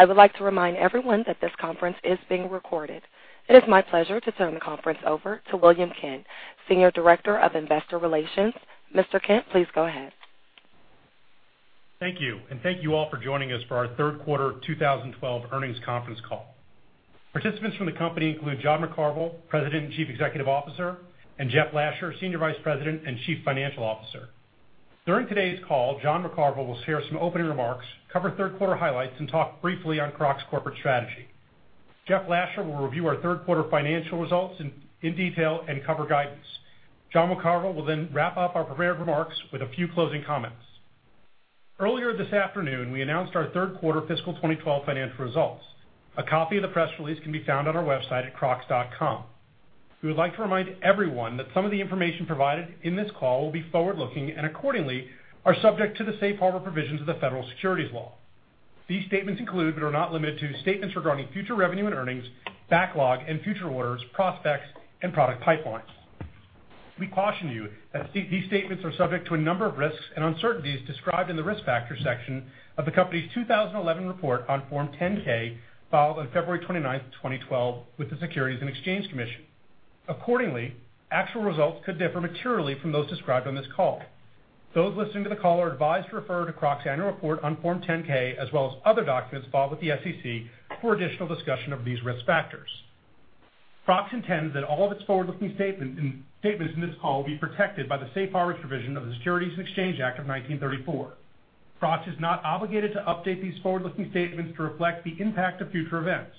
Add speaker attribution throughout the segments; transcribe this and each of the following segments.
Speaker 1: I would like to remind everyone that this conference is being recorded. It is my pleasure to turn the conference over to William Kent, Senior Director of Investor Relations. Mr. Kent, please go ahead.
Speaker 2: Thank you, and thank you all for joining us for our third quarter 2012 earnings conference call. Participants from the company include John McCarvel, President and Chief Executive Officer, and Jeff Lasher, Senior Vice President and Chief Financial Officer. During today's call, John McCarvel will share some opening remarks, cover third quarter highlights, and talk briefly on Crocs' corporate strategy. Jeff Lasher will review our third quarter financial results in detail and cover guidance. John McCarvel will then wrap up our prepared remarks with a few closing comments. Earlier this afternoon, we announced our third quarter fiscal 2012 financial results. A copy of the press release can be found on our website at crocs.com. We would like to remind everyone that some of the information provided in this call will be forward-looking and accordingly are subject to the safe harbor provisions of the Federal Securities Law. These statements include, but are not limited to, statements regarding future revenue and earnings, backlog and future orders, prospects, and product pipelines. We caution you that these statements are subject to a number of risks and uncertainties described in the Risk Factors section of the company's 2011 report on Form 10-K, filed on February 29, 2012, with the Securities and Exchange Commission. Accordingly, actual results could differ materially from those described on this call. Those listening to the call are advised to refer to Crocs' annual report on Form 10-K as well as other documents filed with the SEC for additional discussion of these risk factors. Crocs intends that all of its forward-looking statements in this call will be protected by the safe harbor provisions of the Securities Exchange Act of 1934. Crocs is not obligated to update these forward-looking statements to reflect the impact of future events.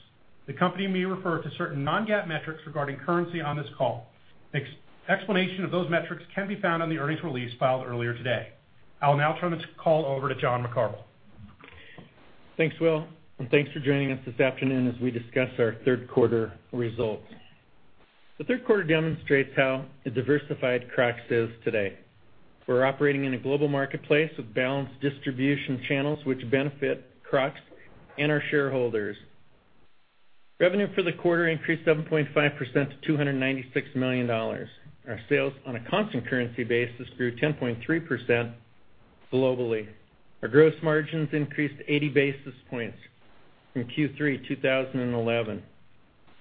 Speaker 2: The company may refer to certain non-GAAP metrics regarding currency on this call. Explanation of those metrics can be found on the earnings release filed earlier today. I'll now turn this call over to John McCarvel.
Speaker 3: Thanks, Will, and thanks for joining us this afternoon as we discuss our third quarter results. The third quarter demonstrates how diversified Crocs is today. We're operating in a global marketplace with balanced distribution channels which benefit Crocs and our shareholders. Revenue for the quarter increased 7.5% to $296 million. Our sales on a constant currency basis grew 10.3% globally. Our gross margins increased 80 basis points from Q3 2011.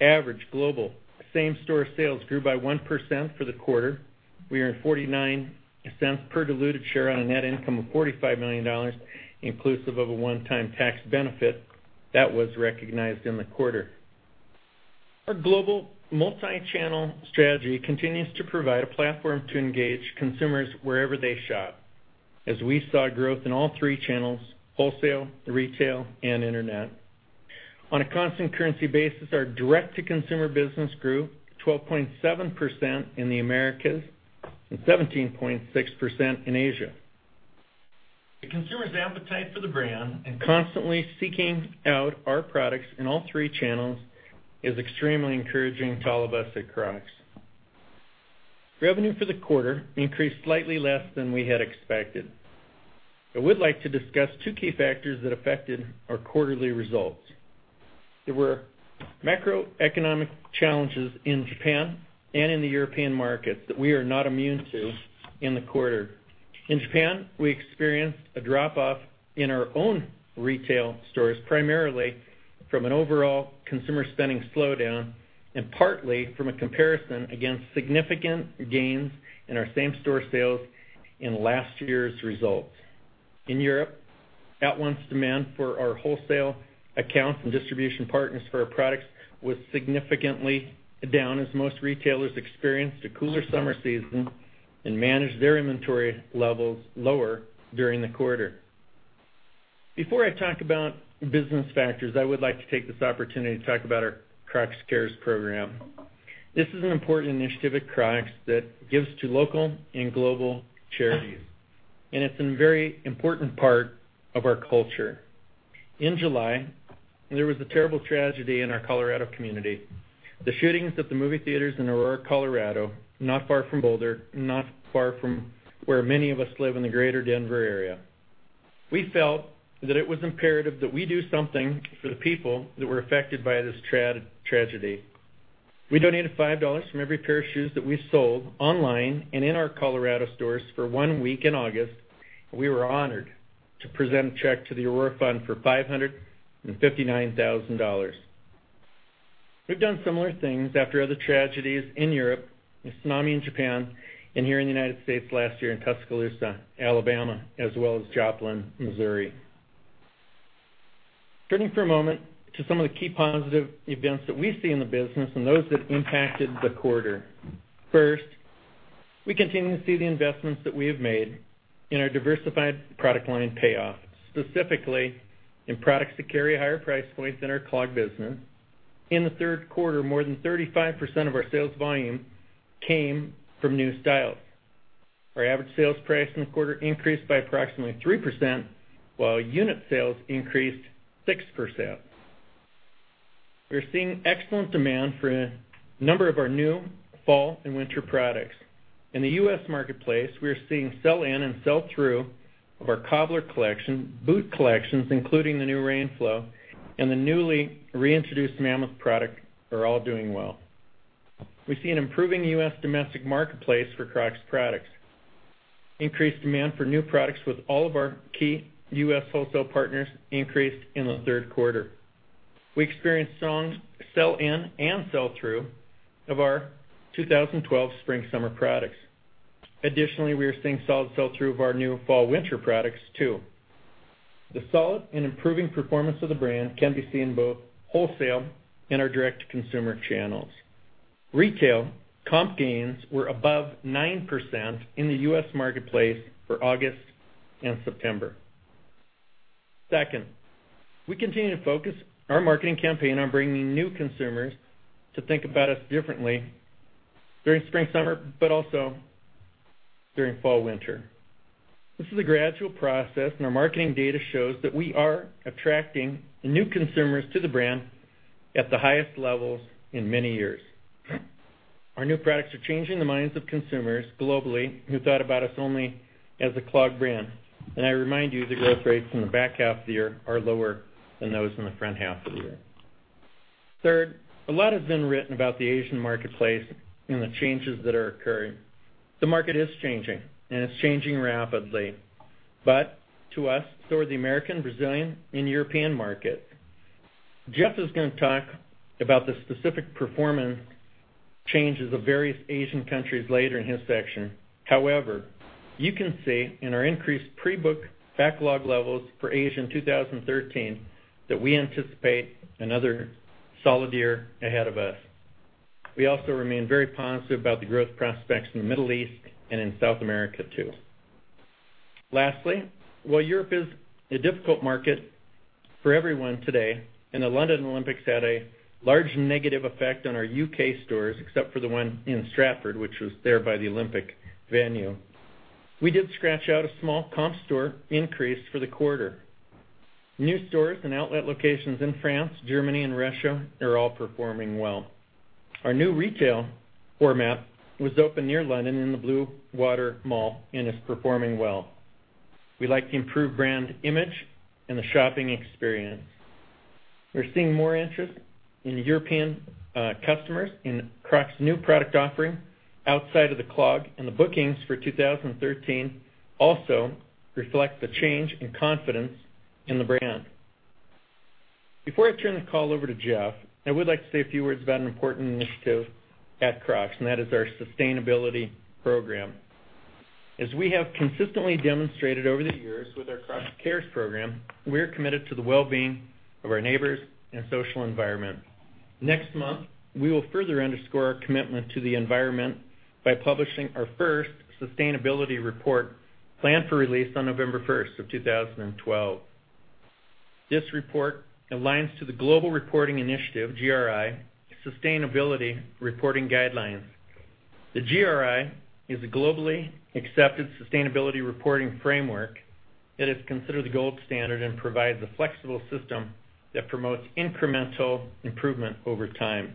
Speaker 3: Average global same-store sales grew by 1% for the quarter. We earned $0.49 per diluted share on a net income of $45 million, inclusive of a one-time tax benefit that was recognized in the quarter. Our global multi-channel strategy continues to provide a platform to engage consumers wherever they shop, as we saw growth in all three channels, wholesale, retail, and internet. On a constant currency basis, our direct-to-consumer business grew 12.7% in the Americas and 17.6% in Asia. The consumer's appetite for the brand and constantly seeking out our products in all three channels is extremely encouraging to all of us at Crocs. Revenue for the quarter increased slightly less than we had expected. I would like to discuss two key factors that affected our quarterly results. There were macroeconomic challenges in Japan and in the European markets that we are not immune to in the quarter. In Japan, we experienced a drop-off in our own retail stores, primarily from an overall consumer spending slowdown and partly from a comparison against significant gains in our same-store sales in last year's results. In Europe, at once demand for our wholesale accounts and distribution partners for our products was significantly down as most retailers experienced a cooler summer season and managed their inventory levels lower during the quarter. Before I talk about business factors, I would like to take this opportunity to talk about our Crocs Cares program. This is an important initiative at Crocs that gives to local and global charities, and it's a very important part of our culture. In July, there was a terrible tragedy in our Colorado community. The shootings at the movie theaters in Aurora, Colorado, not far from Boulder, not far from where many of us live in the greater Denver area. We felt that it was imperative that we do something for the people that were affected by this tragedy. We donated $5 from every pair of shoes that we sold online and in our Colorado stores for one week in August. We were honored to present a check to the Aurora Fund for $559,000. We've done similar things after other tragedies in Europe, the tsunami in Japan, and here in the United States last year in Tuscaloosa, Alabama, as well as Joplin, Missouri. Turning for a moment to some of the key positive events that we see in the business and those that impacted the quarter. First, we continue to see the investments that we have made in our diversified product line pay off, specifically in products that carry higher price points in our clog business. In the third quarter, more than 35% of our sales volume came from new styles. Our average sales price in the quarter increased by approximately 3%, while unit sales increased 6%. We are seeing excellent demand for a number of our new fall and winter products. In the U.S. marketplace, we are seeing sell-in and sell-through of our Cobbler collection, boot collections, including the new RainFloe, and the newly reintroduced Mammoth product are all doing well. We see an improving U.S. domestic marketplace for Crocs products. Increased demand for new products with all of our key U.S. wholesale partners increased in the third quarter. We experienced strong sell-in and sell-through of our 2012 spring/summer products. Additionally, we are seeing solid sell-through of our new fall/winter products too. The solid and improving performance of the brand can be seen both wholesale and our direct consumer channels. Retail comp gains were above 9% in the U.S. marketplace for August and September. Second, we continue to focus our marketing campaign on bringing new consumers to think about us differently during spring/summer, but also during fall/winter. This is a gradual process. Our marketing data shows that we are attracting new consumers to the brand at the highest levels in many years. Our new products are changing the minds of consumers globally who thought about us only as a clog brand. I remind you, the growth rates in the back half of the year are lower than those in the front half of the year. Third, a lot has been written about the Asian marketplace and the changes that are occurring. The market is changing, and it's changing rapidly. To us, so are the American, Brazilian, and European market. Jeff is going to talk about the specific performance changes of various Asian countries later in his section. However, you can see in our increased pre-book backlog levels for Asian 2013 that we anticipate another solid year ahead of us. We also remain very positive about the growth prospects in the Middle East and in South America, too. Lastly, while Europe is a difficult market for everyone today, the London Olympics had a large negative effect on our U.K. stores, except for the one in Stratford, which was there by the Olympic venue, we did scratch out a small comp store increase for the quarter. New stores and outlet locations in France, Germany, and Russia are all performing well. Our new retail format was opened near London in the Bluewater Mall and is performing well. We like the improved brand image and the shopping experience. We're seeing more interest in European customers in Crocs' new product offering outside of the clog. The bookings for 2013 also reflect the change in confidence in the brand. Before I turn the call over to Jeff, I would like to say a few words about an important initiative at Crocs, and that is our sustainability program. As we have consistently demonstrated over the years with our Crocs Cares program, we're committed to the well-being of our neighbors and social environment. Next month, we will further underscore our commitment to the environment by publishing our first sustainability report planned for release on November 1st, 2012. This report aligns to the Global Reporting Initiative, GRI, Sustainability Reporting Guidelines. The GRI is a globally accepted sustainability reporting framework that is considered the gold standard and provides a flexible system that promotes incremental improvement over time.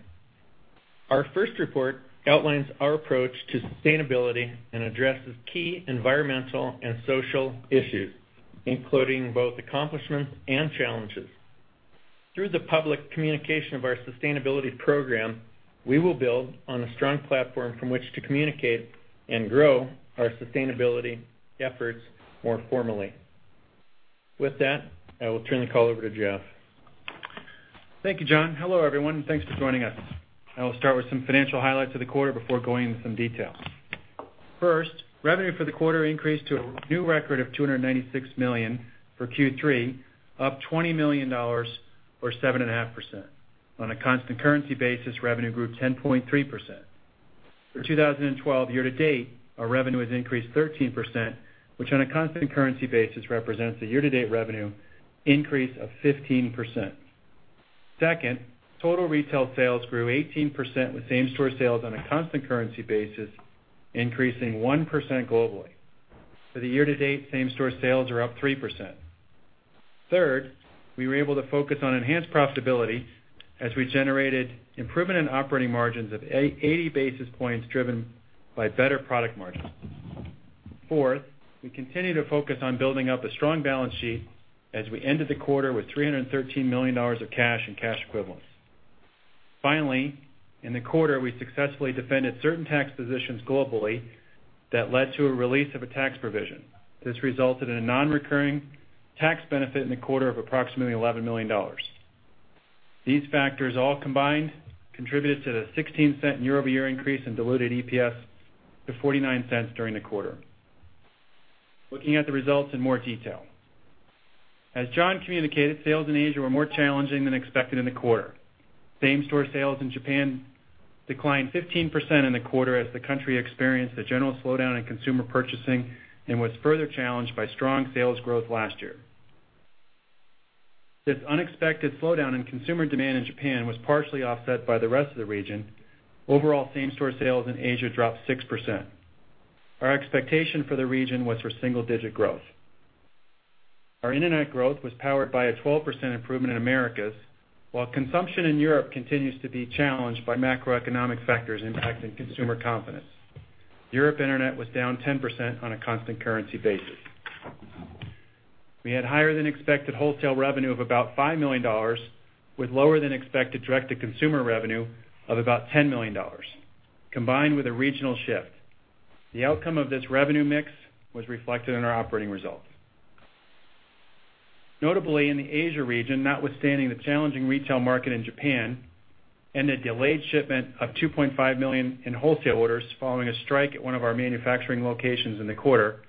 Speaker 3: Our first report outlines our approach to sustainability and addresses key environmental and social issues, including both accomplishments and challenges. Through the public communication of our sustainability program, we will build on a strong platform from which to communicate and grow our sustainability efforts more formally. With that, I will turn the call over to Jeff.
Speaker 4: Thank you, John. Hello, everyone, and thanks for joining us. I will start with some financial highlights of the quarter before going into some detail. First, revenue for the quarter increased to a new record of $296 million for Q3, up $20 million or 7.5%. On a constant currency basis, revenue grew 10.3%. For 2012 year-to-date, our revenue has increased 13%, which on a constant currency basis represents a year-to-date revenue increase of 15%. Second, total retail sales grew 18%, with same-store sales on a constant currency basis increasing 1% globally. For the year-to-date, same-store sales are up 3%. Third, we were able to focus on enhanced profitability as we generated improvement in operating margins of 80 basis points, driven by better product margins. Fourth, we continue to focus on building up a strong balance sheet as we ended the quarter with $313 million of cash and cash equivalents. Finally, in the quarter, we successfully defended certain tax positions globally that led to a release of a tax provision. This resulted in a non-recurring tax benefit in the quarter of approximately $11 million. These factors all combined contributed to the $0.16 year-over-year increase in diluted EPS to $0.49 during the quarter. Looking at the results in more detail. As John communicated, sales in Asia were more challenging than expected in the quarter. Same-store sales in Japan declined 15% in the quarter as the country experienced a general slowdown in consumer purchasing and was further challenged by strong sales growth last year. This unexpected slowdown in consumer demand in Japan was partially offset by the rest of the region. Overall, same-store sales in Asia dropped 6%. Our expectation for the region was for single-digit growth. Our internet growth was powered by a 12% improvement in Americas. While consumption in Europe continues to be challenged by macroeconomic factors impacting consumer confidence. Europe internet was down 10% on a constant currency basis. We had higher than expected wholesale revenue of about $5 million, with lower than expected direct-to-consumer revenue of about $10 million, combined with a regional shift. The outcome of this revenue mix was reflected in our operating results. Notably in the Asia region, notwithstanding the challenging retail market in Japan and a delayed shipment of $2.5 million in wholesale orders following a strike at one of our manufacturing locations in the quarter,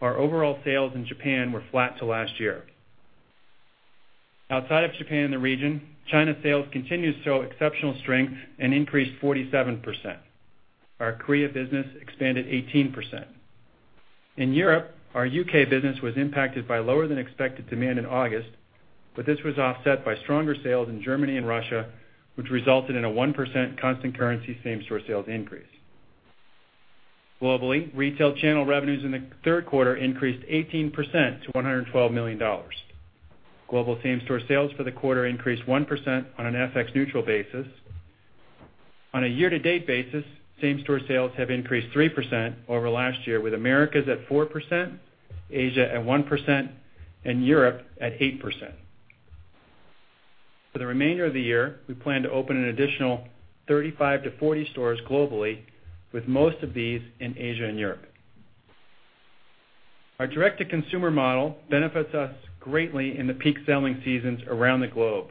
Speaker 4: our overall sales in Japan were flat to last year. Outside of Japan in the region, China sales continued to show exceptional strength and increased 47%. Our Korea business expanded 18%. In Europe, our U.K. business was impacted by lower than expected demand in August, but this was offset by stronger sales in Germany and Russia, which resulted in a 1% constant currency same-store sales increase. Globally, retail channel revenues in the third quarter increased 18% to $112 million. Global same-store sales for the quarter increased 1% on an FX neutral basis. On a year-to-date basis, same-store sales have increased 3% over last year, with Americas at 4%, Asia at 1%, and Europe at 8%. For the remainder of the year, we plan to open an additional 35 to 40 stores globally, with most of these in Asia and Europe. Our direct-to-consumer model benefits us greatly in the peak selling seasons around the globe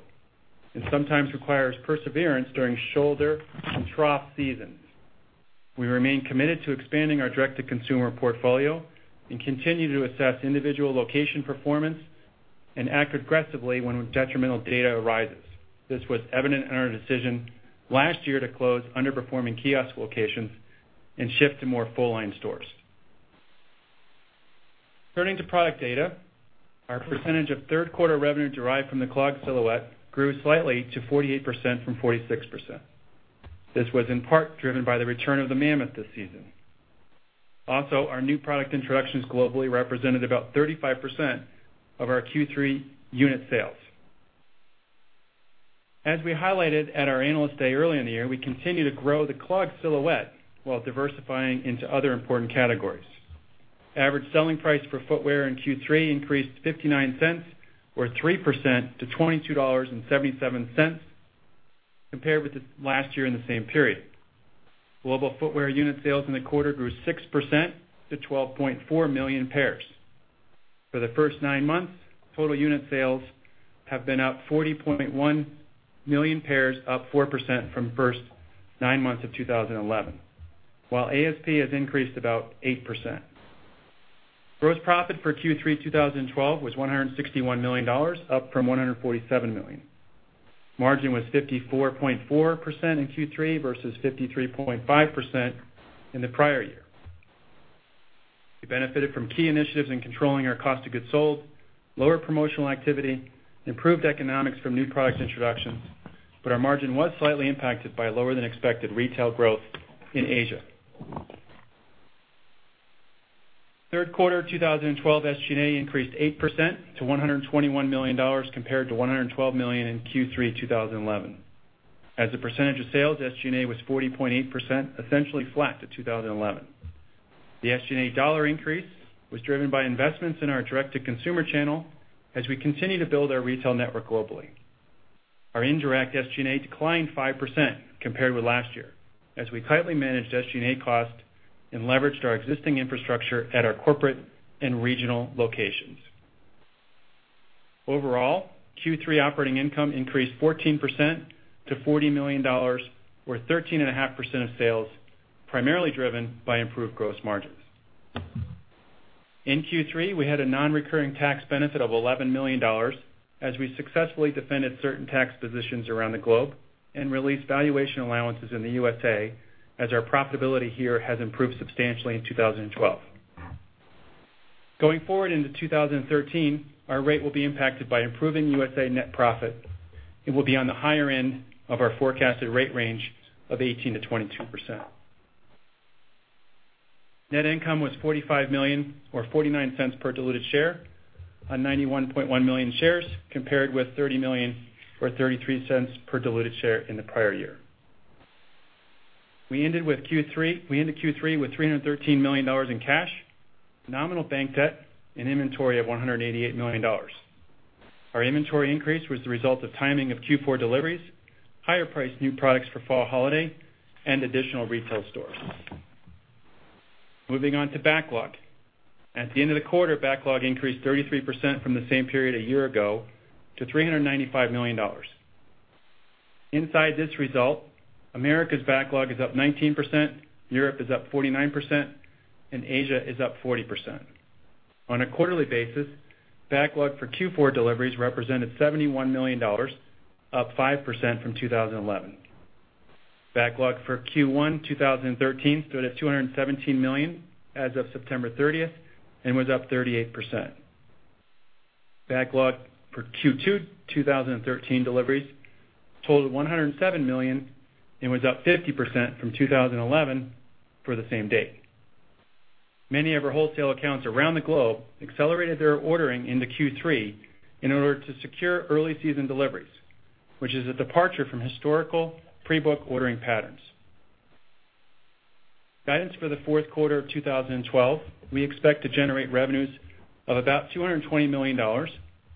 Speaker 4: and sometimes requires perseverance during shoulder and trough seasons. We remain committed to expanding our direct-to-consumer portfolio and continue to assess individual location performance and act aggressively when detrimental data arises. This was evident in our decision last year to close underperforming kiosk locations and shift to more full-line stores. Turning to product data, our percentage of third quarter revenue derived from the clog silhouette grew slightly to 48% from 46%. This was in part driven by the return of the Mammoth this season. Our new product introductions globally represented about 35% of our Q3 unit sales. As we highlighted at our Analyst Day earlier in the year, we continue to grow the clog silhouette while diversifying into other important categories. Average selling price per footwear in Q3 increased $0.59 or 3% to $22.77 compared with last year in the same period. Global footwear unit sales in the quarter grew 6% to 12.4 million pairs. For the first nine months, total unit sales have been up 40.1 million pairs, up 4% from the first nine months of 2011. While ASP has increased about 8%. Gross profit for Q3 2012 was $161 million, up from $147 million. Margin was 54.4% in Q3 versus 53.5% in the prior year. We benefited from key initiatives in controlling our cost of goods sold, lower promotional activity, improved economics from new product introductions. Our margin was slightly impacted by lower than expected retail growth in Asia. Third quarter 2012 SG&A increased 8% to $121 million, compared to $112 million in Q3 2011. As a percentage of sales, SG&A was 40.8%, essentially flat to 2011. The SG&A dollar increase was driven by investments in our direct-to-consumer channel as we continue to build our retail network globally. Our indirect SG&A declined 5% compared with last year, as we tightly managed SG&A costs and leveraged our existing infrastructure at our corporate and regional locations. Overall, Q3 operating income increased 14% to $40 million, or 13.5% of sales, primarily driven by improved gross margins. In Q3, we had a non-recurring tax benefit of $11 million as we successfully defended certain tax positions around the globe and released valuation allowances in the USA as our profitability here has improved substantially in 2012. Going forward into 2013, our rate will be impacted by improving USA net profit and will be on the higher end of our forecasted rate range of 18%-22%. Net income was $45 million or $0.49 per diluted share on 91.1 million shares, compared with $30 million or $0.33 per diluted share in the prior year. We ended Q3 with $313 million in cash, nominal bank debt, and inventory of $188 million. Our inventory increase was the result of timing of Q4 deliveries, higher priced new products for fall holiday, and additional retail stores. Moving on to backlog. At the end of the quarter, backlog increased 33% from the same period a year ago to $395 million. Inside this result, Americas's backlog is up 19%, Europe is up 49%, and Asia is up 40%. On a quarterly basis, backlog for Q4 deliveries represented $71 million, up 5% from 2011. Backlog for Q1 2013 stood at $217 million as of September 30th and was up 38%. Backlog for Q2 2013 deliveries totaled $107 million and was up 50% from 2011 for the same date. Many of our wholesale accounts around the globe accelerated their ordering into Q3 in order to secure early season deliveries, which is a departure from historical pre-book ordering patterns. Guidance for the fourth quarter of 2012, we expect to generate revenues of about $220 million,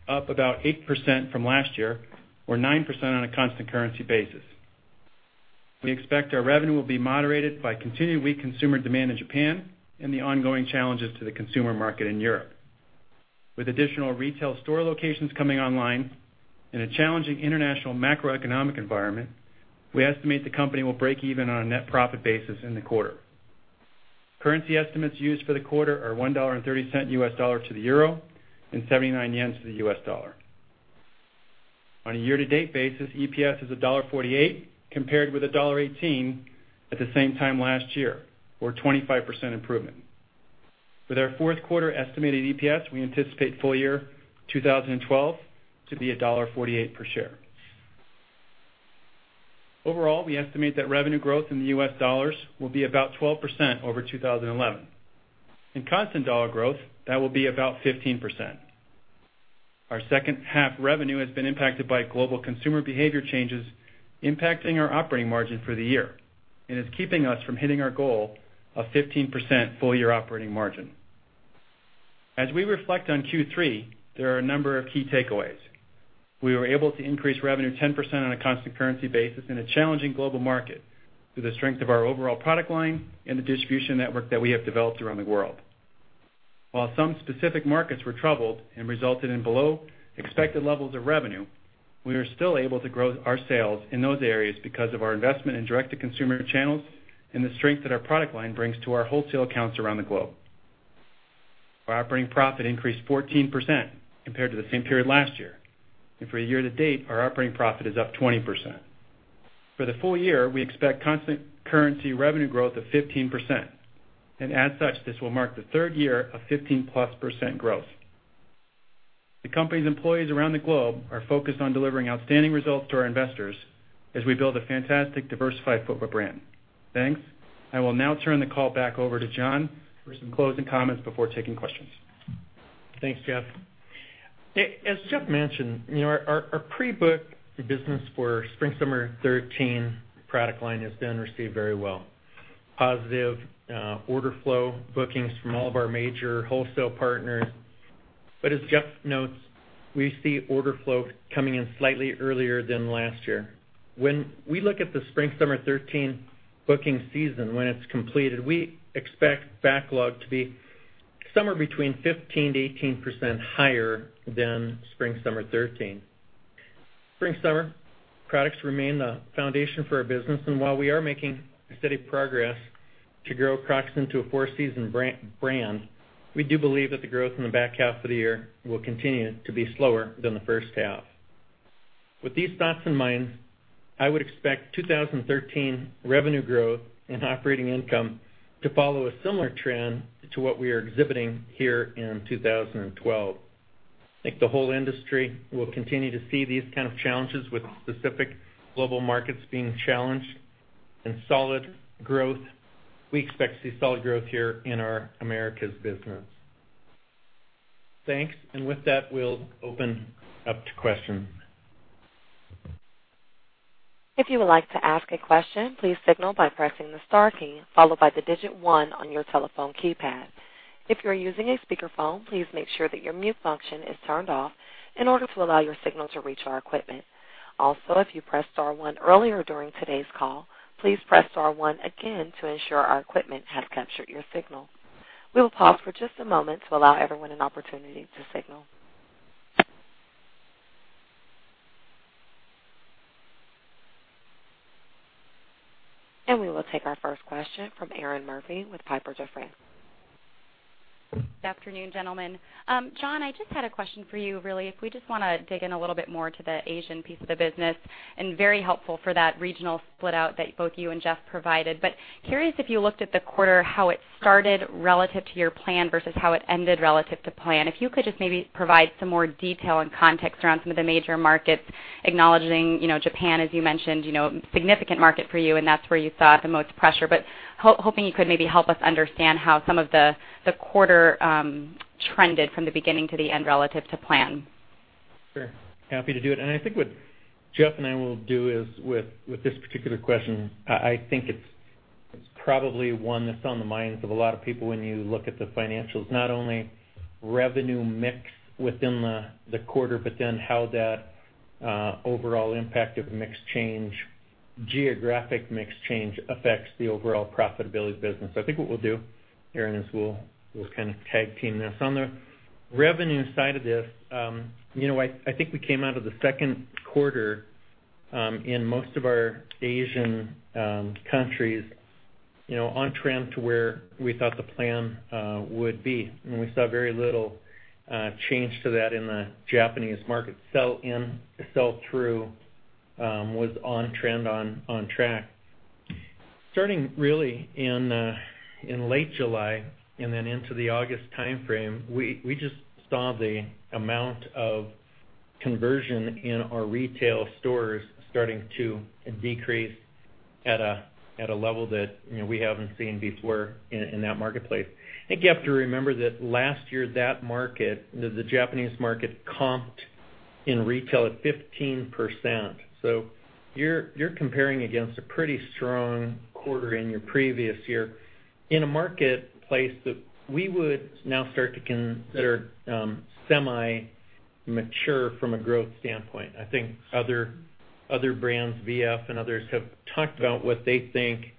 Speaker 4: up about 8% from last year or 9% on a constant currency basis. We expect our revenue will be moderated by continued weak consumer demand in Japan and the ongoing challenges to the consumer market in Europe. With additional retail store locations coming online in a challenging international macroeconomic environment, we estimate the company will break even on a net profit basis in the quarter. Currency estimates used for the quarter are $1.30 US dollar to the euro and 79 yen to the US dollar. On a year-to-date basis, EPS is $1.48, compared with $1.18 at the same time last year, or 25% improvement. With our fourth quarter estimated EPS, we anticipate full year 2012 to be $1.48 per share. Overall, we estimate that revenue growth in the U.S. dollars will be about 12% over 2011. In constant dollar growth, that will be about 15%. Our second half revenue has been impacted by global consumer behavior changes, impacting our operating margin for the year and is keeping us from hitting our goal of 15% full-year operating margin. As we reflect on Q3, there are a number of key takeaways. We were able to increase revenue 10% on a constant currency basis in a challenging global market through the strength of our overall product line and the distribution network that we have developed around the world. While some specific markets were troubled and resulted in below expected levels of revenue, we are still able to grow our sales in those areas because of our investment in direct-to-consumer channels and the strength that our product line brings to our wholesale accounts around the globe. Our operating profit increased 14% compared to the same period last year. For a year to date, our operating profit is up 20%. For the full year, we expect constant currency revenue growth of 15%, and as such, this will mark the third year of 15-plus percent growth. The company's employees around the globe are focused on delivering outstanding results to our investors as we build a fantastic, diversified footwear brand. Thanks. I will now turn the call back over to John for some closing comments before taking questions.
Speaker 3: Thanks, Jeff. As Jeff mentioned, our pre-booked business for spring/summer 2013 product line has been received very well. Positive order flow, bookings from all of our major wholesale partners. As Jeff notes, we see order flow coming in slightly earlier than last year. When we look at the spring/summer 2013 booking season, when it's completed, we expect backlog to be somewhere between 15%-18% higher than spring/summer 2013. Spring/summer products remain the foundation for our business, and while we are making steady progress to grow Crocs into a four-season brand, we do believe that the growth in the back half of the year will continue to be slower than the first half. With these thoughts in mind, I would expect 2013 revenue growth and operating income to follow a similar trend to what we are exhibiting here in 2012. I think the whole industry will continue to see these kind of challenges with specific global markets being challenged and solid growth. We expect to see solid growth here in our Americas business. Thanks. With that, we'll open up to questions.
Speaker 1: If you would like to ask a question, please signal by pressing the star key followed by the digit 1 on your telephone keypad. If you're using a speakerphone, please make sure that your mute function is turned off in order to allow your signal to reach our equipment. Also, if you pressed star one earlier during today's call, please press star one again to ensure our equipment has captured your signal. We will pause for just a moment to allow everyone an opportunity to signal. We will take our first question from Erinn Murphy with Piper Jaffray.
Speaker 5: Good afternoon, gentlemen. John, I just had a question for you, really. If we just want to dig in a little bit more to the Asian piece of the business, and very helpful for that regional split out that both you and Jeff provided. Curious if you looked at the quarter, how it started relative to your plan versus how it ended relative to plan. If you could just maybe provide some more detail and context around some of the major markets acknowledging Japan, as you mentioned, significant market for you, and that's where you saw the most pressure. Hoping you could maybe help us understand how some of the quarter trended from the beginning to the end relative to plan.
Speaker 3: Sure, happy to do it. I think what Jeff and I will do is with this particular question, I think it's probably one that's on the minds of a lot of people when you look at the financials, not only revenue mix within the quarter, then how that overall impact of mix change, geographic mix change affects the overall profitability of the business. I think what we'll do, Erinn, is we'll kind of tag team this. On the revenue side of this, I think we came out of the second quarter, in most of our Asian countries, on trend to where we thought the plan would be. We saw very little change to that in the Japanese market. Sell-in and sell-through was on trend, on track. Starting really in late July into the August timeframe, we just saw the amount of conversion in our retail stores starting to decrease at a level that we haven't seen before in that marketplace. I think you have to remember that last year, that market, the Japanese market comped In retail at 15%. You're comparing against a pretty strong quarter in your previous year in a marketplace that we would now start to consider semi-mature from a growth standpoint. I think other brands, VF and others, have talked about what they think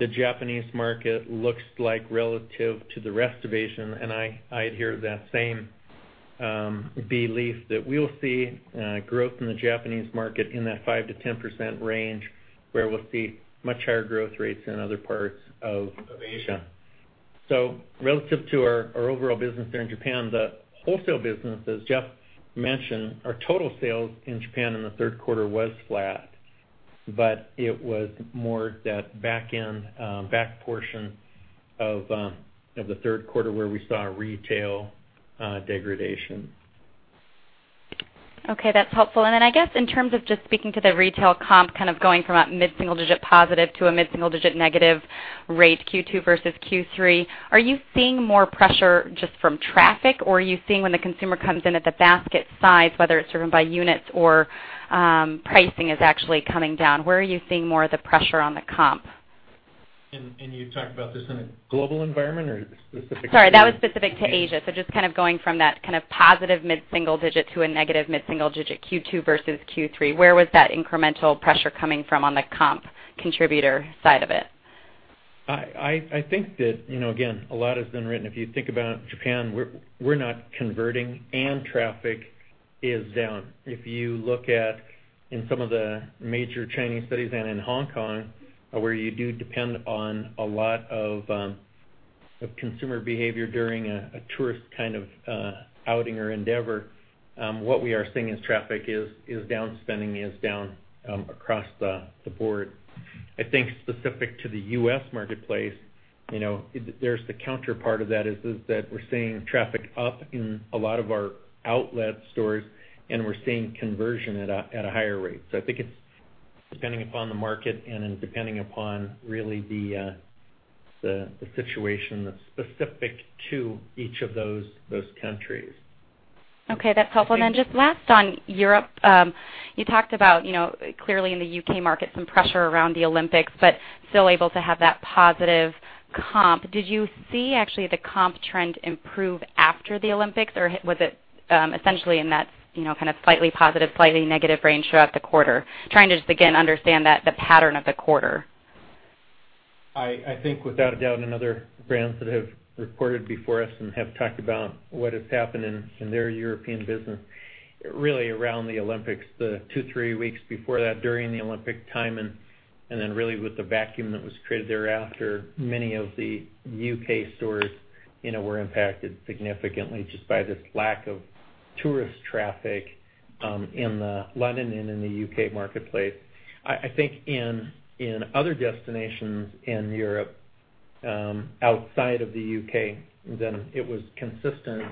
Speaker 3: the Japanese market looks like relative to the rest of Asia, I adhere to that same belief that we'll see growth in the Japanese market in that 5%-10% range, where we'll see much higher growth rates in other parts of Asia. Relative to our overall business there in Japan, the wholesale business, as Jeff mentioned, our total sales in Japan in the third quarter was flat, it was more that back end, back portion of the third quarter where we saw retail degradation.
Speaker 5: Okay, that's helpful. I guess, in terms of just speaking to the retail comp, kind of going from a mid-single-digit positive to a mid-single-digit negative rate, Q2 versus Q3, are you seeing more pressure just from traffic? Are you seeing when the consumer comes in at the basket size, whether it's driven by units or pricing is actually coming down. Where are you seeing more of the pressure on the comp?
Speaker 3: You talked about this in a global environment or specific to?
Speaker 5: Sorry, that was specific to Asia. Just kind of going from that kind of positive mid-single digit to a negative mid-single digit Q2 versus Q3. Where was that incremental pressure coming from on the comp contributor side of it?
Speaker 3: I think that, again, a lot has been written. If you think about Japan, we're not converting, and traffic is down. If you look at in some of the major Chinese studies and in Hong Kong, where you do depend on a lot of consumer behavior during a tourist kind of outing or endeavor, what we are seeing is traffic is down, spending is down across the board. I think specific to the U.S. marketplace, there's the counterpart of that is that we're seeing traffic up in a lot of our outlet stores, and we're seeing conversion at a higher rate. I think it's depending upon the market and depending upon really the situation that's specific to each of those countries.
Speaker 5: Okay, that's helpful. Then just last on Europe. You talked about, clearly in the U.K. market, some pressure around the Olympics, but still able to have that positive comp. Did you see actually the comp trend improve after the Olympics, or was it essentially in that kind of slightly positive, slightly negative range throughout the quarter? Trying to just, again, understand the pattern of the quarter.
Speaker 3: I think without a doubt, other brands that have reported before us and have talked about what has happened in their European business, really around the Olympics, the two, three weeks before that, during the Olympic time, and then really with the vacuum that was created thereafter, many of the U.K. stores were impacted significantly just by this lack of tourist traffic in London and in the U.K. marketplace. I think in other destinations in Europe outside of the U.K., it was consistent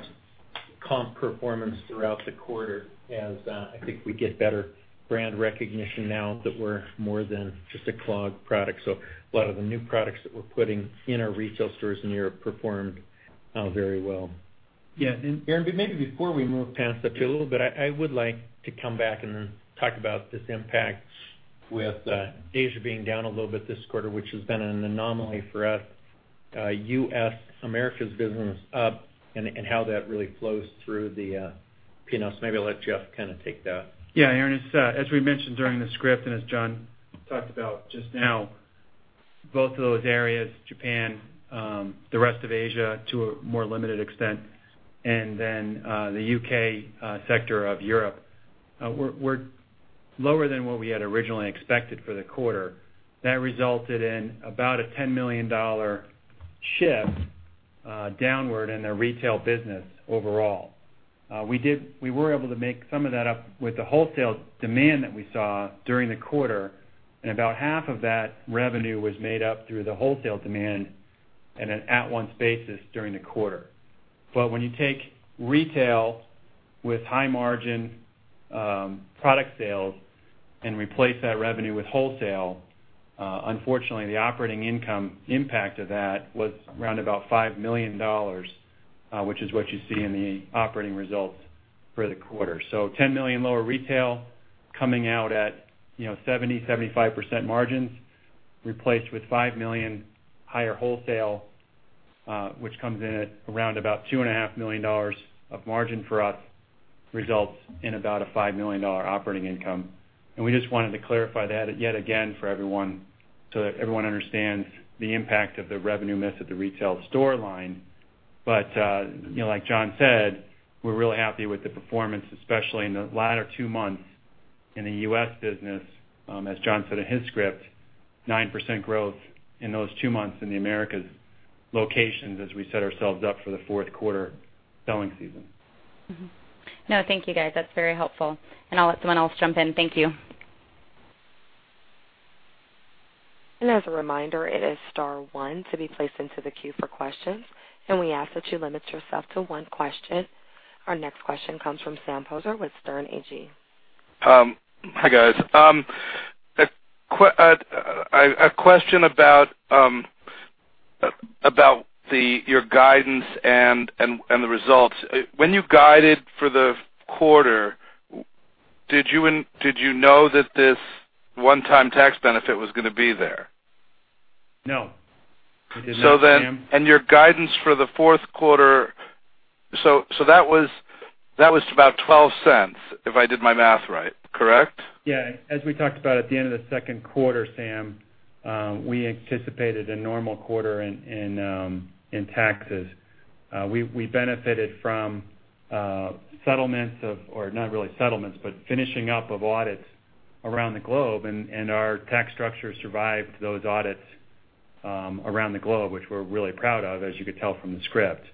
Speaker 3: comp performance throughout the quarter as I think we get better brand recognition now that we're more than just a clog product. A lot of the new products that we're putting in our retail stores in Europe performed very well. Yeah. Erinn, maybe before we move past the pillar, I would like to come back and talk about this impact with Asia being down a little bit this quarter, which has been an anomaly for us. U.S. Americas business up and how that really flows through the P&L. Maybe I'll let Jeff kind of take that.
Speaker 4: Yeah, Erinn, as we mentioned during the script and as John talked about just now, both of those areas, Japan, the rest of Asia to a more limited extent, the U.K. sector of Europe, were lower than what we had originally expected for the quarter. That resulted in about a $10 million shift downward in the retail business overall. We were able to make some of that up with the wholesale demand that we saw during the quarter, about half of that revenue was made up through the wholesale demand at an at-once basis during the quarter. When you take retail with high-margin product sales and replace that revenue with wholesale, unfortunately, the operating income impact of that was around about $5 million, which is what you see in the operating results for the quarter. $10 million lower retail coming out at 70%, 75% margins, replaced with $5 million higher wholesale, which comes in at around about $2.5 million of margin for us, results in about a $5 million operating income. We just wanted to clarify that yet again for everyone so that everyone understands the impact of the revenue miss at the retail store line. Like John said, we're really happy with the performance, especially in the latter two months in the U.S. business. As John said in his script, 9% growth in those two months in the Americas locations as we set ourselves up for the fourth quarter selling season.
Speaker 5: Mm-hmm. No, thank you, guys. That's very helpful. I'll let someone else jump in. Thank you.
Speaker 1: As a reminder, it is star one to be placed into the queue for questions. We ask that you limit yourself to one question. Our next question comes from Sam Poser with Sterne Agee.
Speaker 6: Hi, guys. A question about your guidance and the results. When you guided for the quarter, did you know that this one-time tax benefit was going to be there?
Speaker 4: No. I did not, Sam.
Speaker 6: Your guidance for the fourth quarter, that was about $0.12 if I did my math right, correct?
Speaker 4: Yeah. As we talked about at the end of the second quarter, Sam, we anticipated a normal quarter in taxes. We benefited from settlements of or not really settlements, but finishing up of audits around the globe. Our tax structure survived those audits around the globe, which we're really proud of, as you could tell from the script.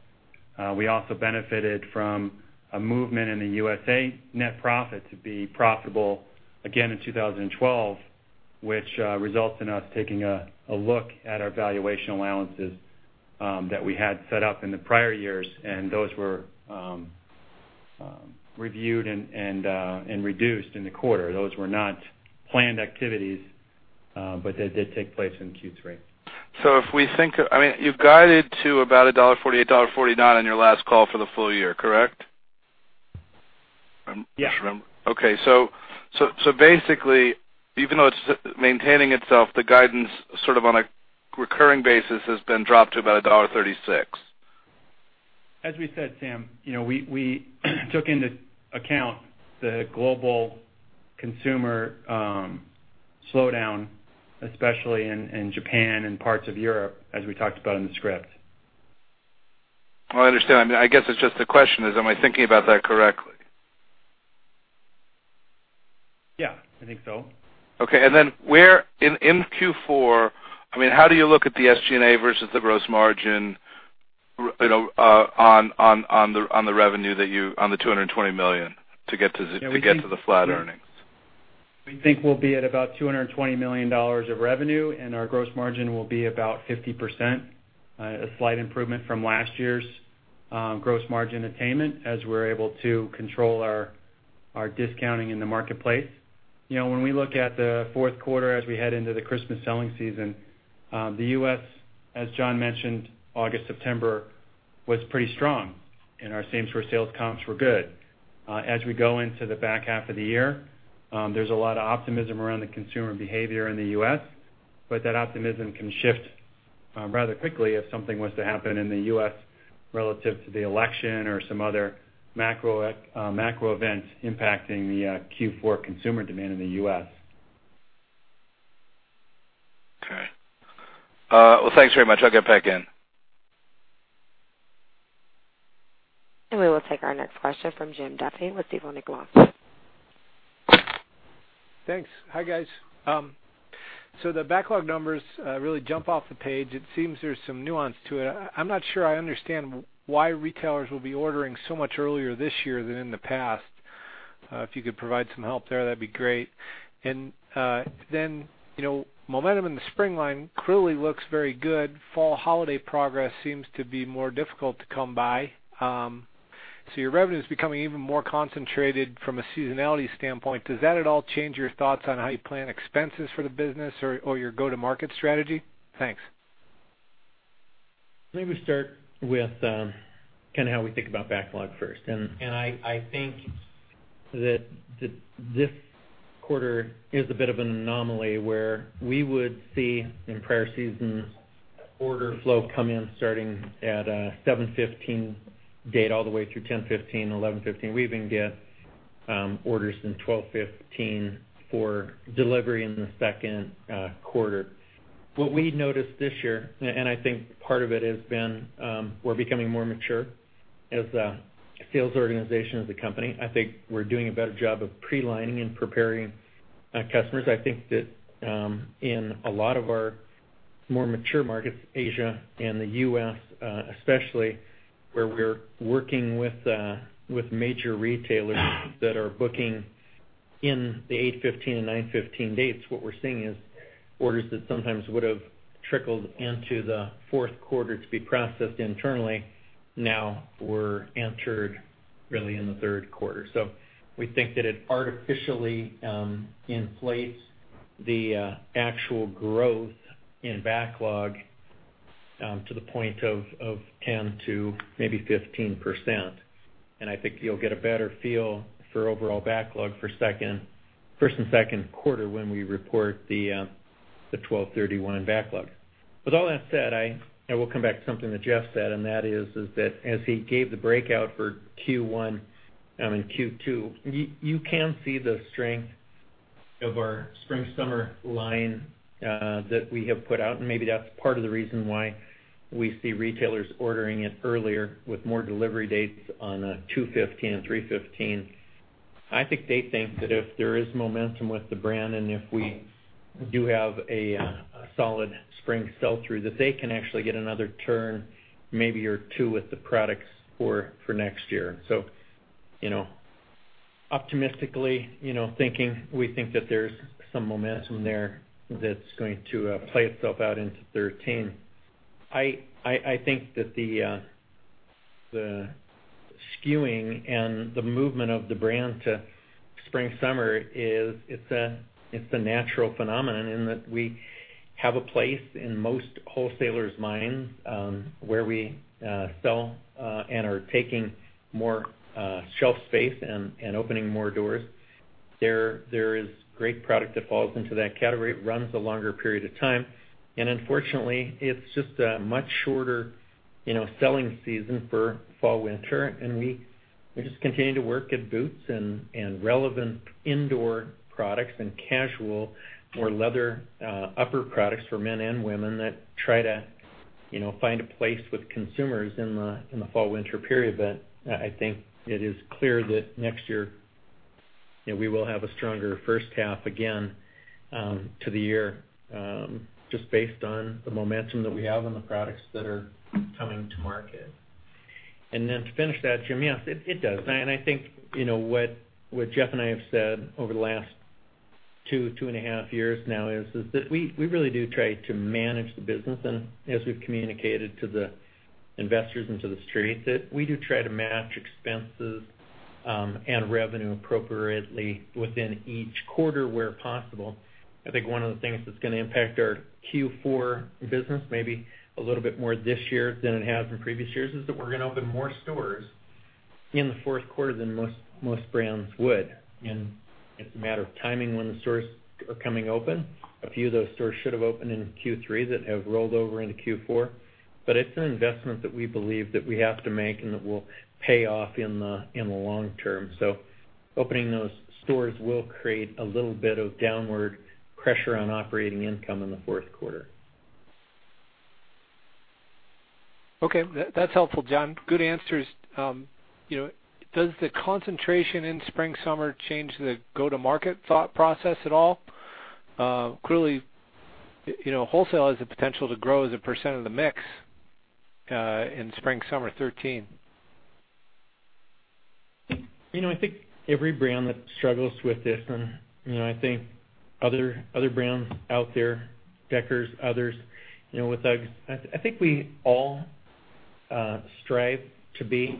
Speaker 4: We also benefited from a movement in the USA net profit to be profitable again in 2012. Which results in us taking a look at our valuation allowances that we had set up in the prior years, and those were reviewed and reduced in the quarter. Those were not planned activities, but they did take place in Q3.
Speaker 6: You've guided to about $1.48, $1.49 on your last call for the full year, correct?
Speaker 4: Yeah.
Speaker 6: Okay. Basically, even though it's maintaining itself, the guidance sort of on a recurring basis has been dropped to about $1.36.
Speaker 4: As we said, Sam, we took into account the global consumer slowdown, especially in Japan and parts of Europe, as we talked about in the script.
Speaker 6: I understand. I guess it's just the question is, am I thinking about that correctly?
Speaker 4: I think so.
Speaker 6: Then in Q4, how do you look at the SG&A versus the gross margin on the revenue, on the $220 million to get to the flat earnings?
Speaker 4: We think we'll be at about $220 million of revenue, and our gross margin will be about 50%, a slight improvement from last year's gross margin attainment, as we're able to control our discounting in the marketplace. We look at the fourth quarter as we head into the Christmas selling season, the U.S., as John mentioned, August, September was pretty strong and our same store sales comps were good. We go into the back half of the year, there's a lot of optimism around the consumer behavior in the U.S., but that optimism can shift rather quickly if something was to happen in the U.S. relative to the election or some other macro event impacting the Q4 consumer demand in the U.S.
Speaker 6: Well, thanks very much. I'll jump back in.
Speaker 1: We will take our next question from Jim Duffy with Stifel Nicolaus.
Speaker 7: Thanks. Hi, guys. The backlog numbers really jump off the page. It seems there's some nuance to it. I'm not sure I understand why retailers will be ordering so much earlier this year than in the past. If you could provide some help there, that'd be great. Momentum in the spring line clearly looks very good. Fall holiday progress seems to be more difficult to come by. Your revenue's becoming even more concentrated from a seasonality standpoint. Does that at all change your thoughts on how you plan expenses for the business or your go-to-market strategy? Thanks.
Speaker 3: Let me start with kind of how we think about backlog first. I think that this quarter is a bit of an anomaly where we would see, in prior seasons, order flow come in starting at a 7/15 date all the way through 10/15, 11/15. We even get orders in 12/15 for delivery in the second quarter. What we noticed this year, and I think part of it has been we're becoming more mature as a sales organization, as a company. I think we're doing a better job of pre-lining and preparing our customers. I think that in a lot of our more mature markets, Asia and the U.S. especially, where we're working with major retailers that are booking in the 8/15 and 9/15 dates.
Speaker 4: What we're seeing is orders that sometimes would have trickled into the fourth quarter to be processed internally now were entered really in the third quarter. We think that it artificially inflates the actual growth in backlog to the point of 10%-15%. I think you'll get a better feel for overall backlog for first and second quarter when we report the 1231 backlog. With all that said, I will come back to something that Jeff said, and that is that as he gave the breakout for Q2, you can see the strength of our spring/summer line that we have put out, and maybe that's part of the reason why we see retailers ordering it earlier with more delivery dates on 2/15 and 3/15. I think they think that if there is momentum with the brand and if we do have a solid spring sell-through, that they can actually get another turn, maybe or two with the products for next year. Optimistically thinking, we think that there's some momentum there that's going to play itself out into 2013.
Speaker 3: The skewing and the movement of the brand to spring/summer is a natural phenomenon in that we have a place in most wholesalers' minds where we sell and are taking more shelf space and opening more doors. There is great product that falls into that category. It runs a longer period of time, and unfortunately, it's just a much shorter selling season for fall/winter. We just continue to work at boots and relevant indoor products and casual or leather upper products for men and women that try to find a place with consumers in the fall/winter period. I think it is clear that next year, we will have a stronger first half again to the year, just based on the momentum that we have and the products that are coming to market. Then to finish that, Jim, yes, it does. I think, what Jeff and I have said over the last two and a half years now is that we really do try to manage the business. As we've communicated to the investors and to the Street, that we do try to match expenses and revenue appropriately within each quarter where possible. I think one of the things that's going to impact our Q4 business maybe a little bit more this year than it has in previous years, is that we're going to open more stores in the fourth quarter than most brands would. It's a matter of timing when the stores are coming open. A few of those stores should've opened in Q3 that have rolled over into Q4. It's an investment that we believe that we have to make and that will pay off in the long term. Opening those stores will create a little bit of downward pressure on operating income in the fourth quarter.
Speaker 7: Okay. That's helpful, John. Good answers. Does the concentration in spring/summer change the go-to-market thought process at all? Clearly, wholesale has the potential to grow as a % of the mix in spring/summer 2013.
Speaker 3: I think every brand that struggles with this, and I think other brands out there, Deckers, others, with UGG. I think we all strive to be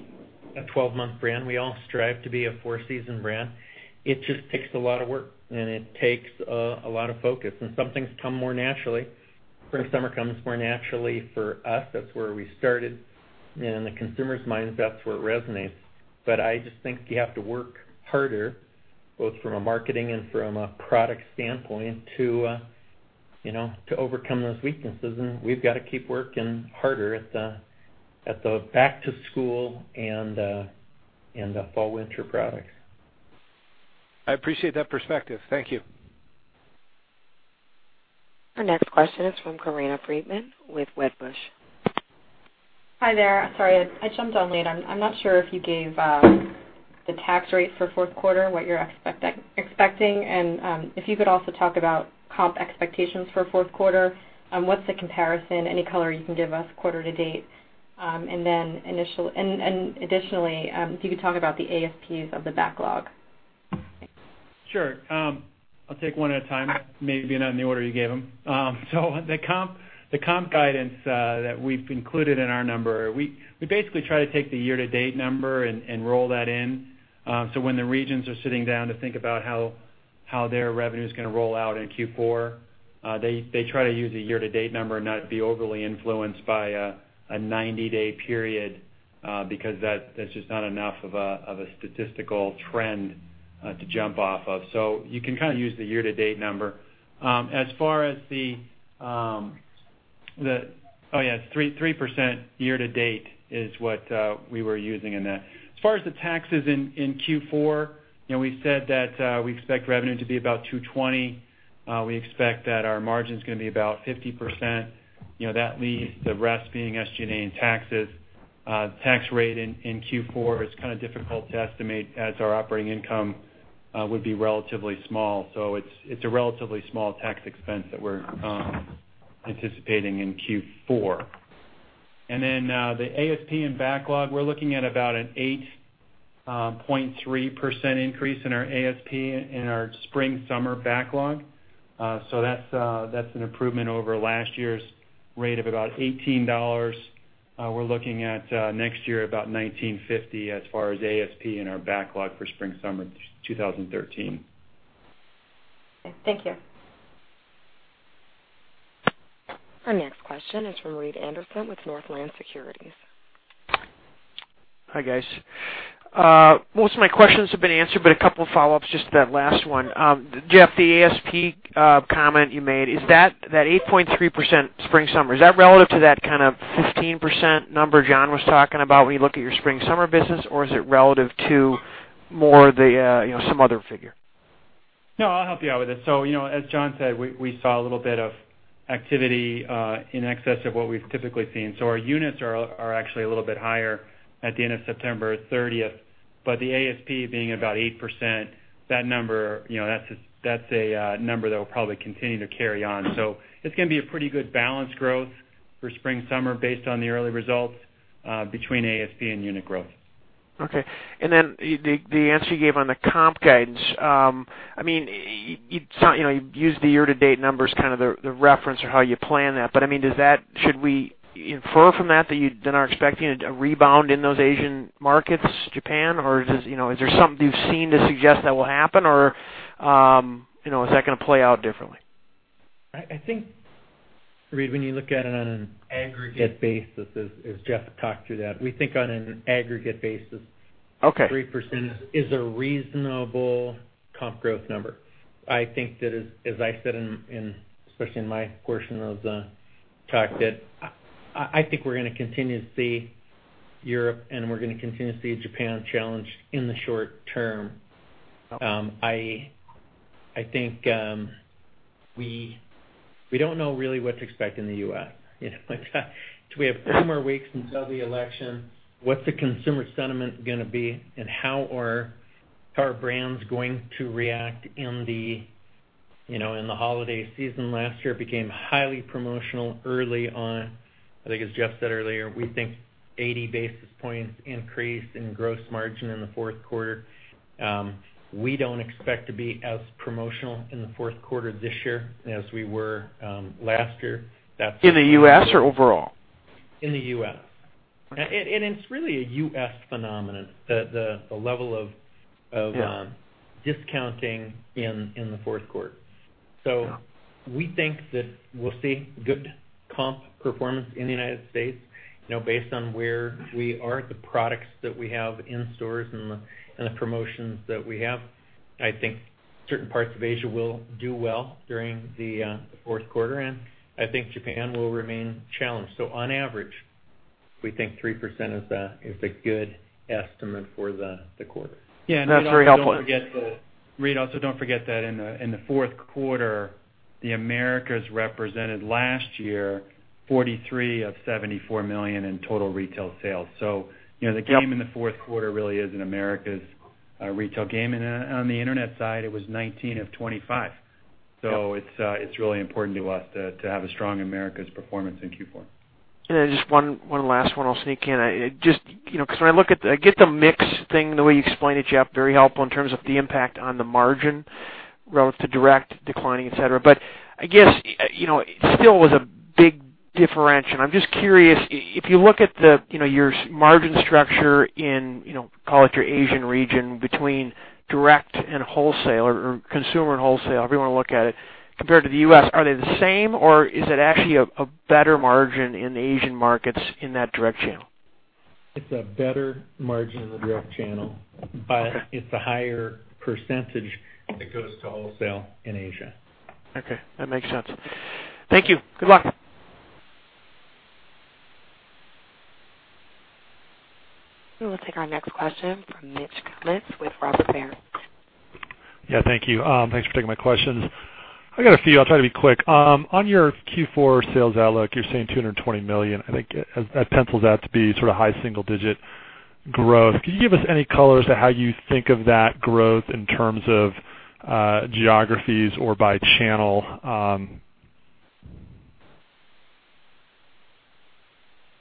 Speaker 3: a 12-month brand. We all strive to be a four-season brand. It just takes a lot of work, and it takes a lot of focus. Some things come more naturally. Spring/summer comes more naturally for us. That's where we started. In the consumer's minds, that's where it resonates. I just think you have to work harder, both from a marketing and from a product standpoint, to overcome those weaknesses. We've got to keep working harder at the back-to-school and the fall/winter products.
Speaker 7: I appreciate that perspective. Thank you.
Speaker 1: Our next question is from Corinna Freedman with Wedbush.
Speaker 8: Hi there. Sorry, I jumped on late. I'm not sure if you gave the tax rate for fourth quarter, what you're expecting. If you could also talk about comp expectations for fourth quarter. What's the comparison? Any color you can give us quarter to date. Additionally, if you could talk about the ASPs of the backlog. Thanks.
Speaker 3: Sure. I'll take one at a time, maybe not in the order you gave them. The comp guidance that we've included in our number, we basically try to take the year-to-date number and roll that in. When the regions are sitting down to think about how their revenue's going to roll out in Q4, they try to use a year-to-date number and not be overly influenced by a 90-day period because that's just not enough of a statistical trend to jump off of. You can kind of use the year-to-date number. 3% year to date is what we were using in that. As far as the taxes in Q4, we said that we expect revenue to be about $220. We expect that our margin's going to be about 50%. That leaves the rest being SG&A and taxes. Tax rate in Q4 is kind of difficult to estimate as our operating income would be relatively small. It's a relatively small tax expense that we're anticipating in Q4. The ASP and backlog, we're looking at about an 8.3% increase in our ASP in our spring/summer backlog. That's an improvement over last year's rate of about $18. We're looking at next year, about $19.50 as far as ASP in our backlog for spring/summer 2013.
Speaker 8: Okay. Thank you.
Speaker 1: Our next question is from Reed Anderson with Northland Securities.
Speaker 9: Hi, guys. Most of my questions have been answered, a couple of follow-ups, just to that last one. Jeff, the ASP comment you made, that 8.3% spring/summer, is that relative to that 15% number John was talking about when you look at your spring/summer business, or is it relative to more some other figure?
Speaker 4: I'll help you out with this. As John said, we saw a little bit of activity in excess of what we've typically seen. Our units are actually a little bit higher at the end of September 30th. The ASP being about 8%, that's a number that will probably continue to carry on. It's going to be a pretty good balanced growth for spring/summer based on the early results between ASP and unit growth.
Speaker 9: Okay. The answer you gave on the comp guidance. You used the year-to-date numbers, the reference for how you plan that. Should we infer from that you then are expecting a rebound in those Asian markets, Japan? Is there something you've seen to suggest that will happen? Is that going to play out differently?
Speaker 3: I think, Reed, when you look at it on an aggregate basis, as Jeff talked through that, we think on an aggregate basis.
Speaker 9: Okay
Speaker 3: 3% is a reasonable comp growth number. I think that as I said, especially in my portion of the talk, that I think we're going to continue to see Europe, and we're going to continue to see Japan challenged in the short term. I think we don't know really what to expect in the U.S. We have three more weeks until the election. What's the consumer sentiment going to be, and how are brands going to react in the holiday season? Last year it became highly promotional early on. I think, as Jeff said earlier, we think 80 basis points increase in gross margin in the fourth quarter. We don't expect to be as promotional in the fourth quarter this year as we were last year. That's.
Speaker 9: In the U.S. or overall?
Speaker 3: In the U.S. It's really a U.S. phenomenon.
Speaker 9: Yeah
Speaker 3: discounting in the fourth quarter.
Speaker 9: Yeah.
Speaker 3: We think that we'll see good comp performance in the United States. Based on where we are, the products that we have in stores and the promotions that we have, I think certain parts of Asia will do well during the fourth quarter, and I think Japan will remain challenged. On average, we think 3% is a good estimate for the quarter.
Speaker 9: Yeah. That's very helpful.
Speaker 3: Reed, also don't forget that in the fourth quarter, the Americas represented last year $43 of $74 million in total retail sales.
Speaker 9: Yep
Speaker 3: the game in the fourth quarter really is an Americas retail game. On the internet side, it was $19 of $25.
Speaker 9: Yeah.
Speaker 3: It's really important to us to have a strong Americas performance in Q4.
Speaker 9: Just one last one I'll sneak in. I get the mix thing, the way you explained it, Jeff, very helpful in terms of the impact on the margin relative to direct declining, et cetera. I guess, it still was a big differential. I'm just curious, if you look at your margin structure in, call it your Asian region between direct and wholesale or consumer and wholesale, however you want to look at it, compared to the U.S., are they the same or is it actually a better margin in the Asian markets in that direct channel?
Speaker 3: It's a better margin in the direct channel.
Speaker 9: Okay.
Speaker 3: It's a higher percentage that goes to wholesale in Asia.
Speaker 9: Okay. That makes sense. Thank you. Good luck.
Speaker 1: We will take our next question from Mitch Kummetz with Robert W. Baird.
Speaker 10: Thank you. Thanks for taking my questions. I got a few. I'll try to be quick. On your Q4 sales outlook, you're saying $220 million. I think that pencils out to be sort of high single-digit growth. Could you give us any color as to how you think of that growth in terms of geographies or by channel?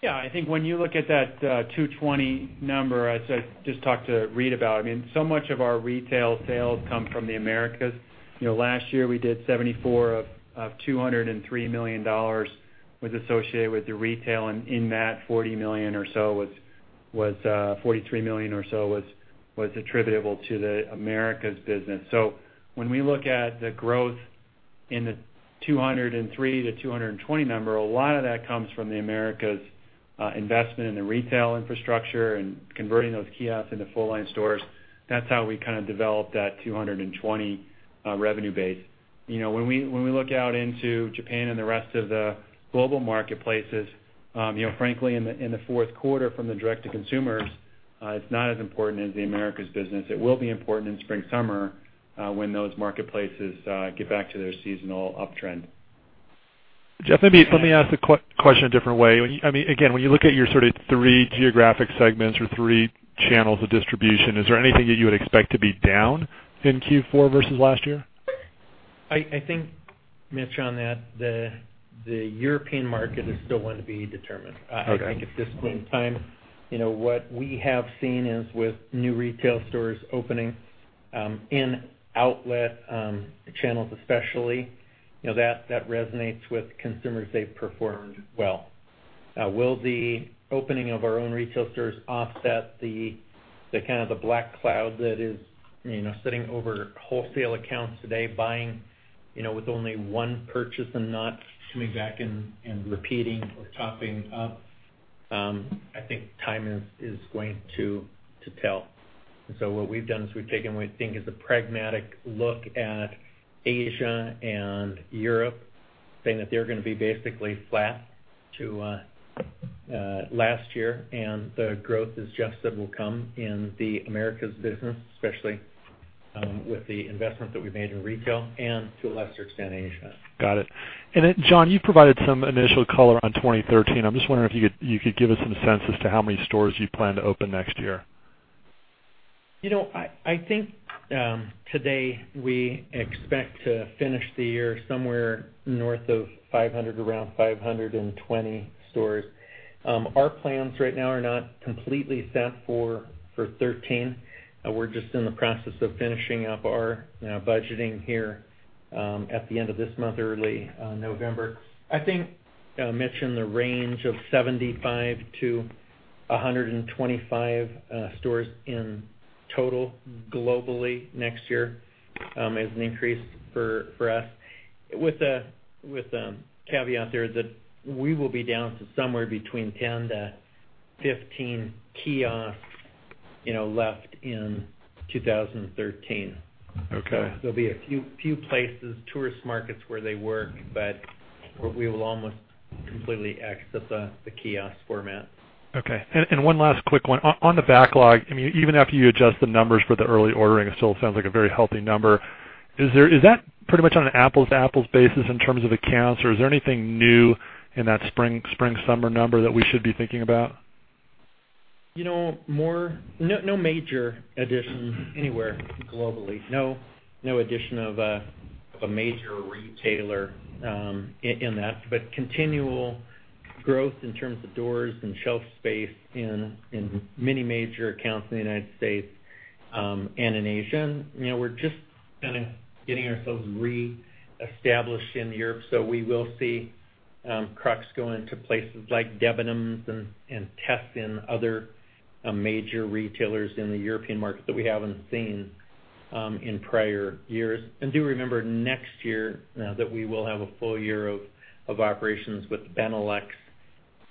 Speaker 3: I think when you look at that 220 number, as I just talked to Reed about, so much of our retail sales come from the Americas. Last year we did $74 of $203 million was associated with the retail, and in that, $43 million or so was attributable to the Americas business. When we look at the growth in the $203 to $220 number, a lot of that comes from the Americas investment in the retail infrastructure and converting those kiosks into full-line stores. That's how we kind of developed that $220 revenue base. When we look out into Japan and the rest of the global marketplaces, frankly, in the fourth quarter from the direct to consumers, it's not as important as the Americas business. It will be important in spring/summer, when those marketplaces get back to their seasonal uptrend.
Speaker 10: Jeff, maybe let me ask the question a different way. Again, when you look at your sort of three geographic segments or three channels of distribution, is there anything that you would expect to be down in Q4 versus last year?
Speaker 3: I think, Mitch, on that, the European market is still one to be determined.
Speaker 10: Okay.
Speaker 3: I think at this point in time, what we have seen is with new retail stores opening, in outlet channels especially, that resonates with consumers. They've performed well. Will the opening of our own retail stores offset the kind of the black cloud that is sitting over wholesale accounts today, buying with only one purchase and not coming back and repeating or topping up? I think time is going to tell. What we've done is we've taken what we think is a pragmatic look at Asia and Europe, saying that they're going to be basically flat to last year, and the growth, as Jeff said, will come in the Americas business, especially with the investment that we've made in retail and to a lesser extent, Asia.
Speaker 10: Got it. John, you provided some initial color on 2013. I'm just wondering if you could give us some sense as to how many stores you plan to open next year.
Speaker 3: I think today we expect to finish the year somewhere north of 500, around 520 stores. Our plans right now are not completely set for 2013. We're just in the process of finishing up our budgeting here at the end of this month, early November. I think I mentioned the range of 75 to 125 stores in total globally next year as an increase for us. With the caveat there that we will be down to somewhere between 10 to 15 kiosks left in 2013.
Speaker 10: Okay.
Speaker 3: There'll be a few places, tourist markets where they work, but we will almost completely exit the kiosk format.
Speaker 10: Okay. One last quick one. On the backlog, even after you adjust the numbers for the early ordering, it still sounds like a very healthy number. Is that pretty much on an apples-to-apples basis in terms of accounts, or is there anything new in that spring/summer number that we should be thinking about?
Speaker 3: No major addition anywhere globally. No addition of a major retailer in that, but continual growth in terms of doors and shelf space in many major accounts in the U.S. and in Asia. We're just kind of getting ourselves re-established in Europe. We will see Crocs go into places like Debenhams and Tesco and other major retailers in the European market that we haven't seen in prior years. Do remember next year that we will have a full year of operations with Benelux